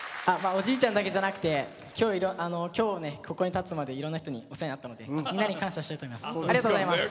おじいちゃんだけじゃなくて今日ここに立つまでいろいろな人にお世話になったのでみんなに感謝したいと思います。